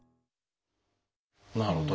なるほど。